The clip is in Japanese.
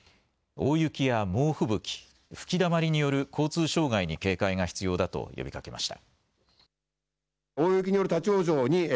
大雪や猛吹雪、吹きだまりによる交通障害に警戒が必要だと呼びかけました。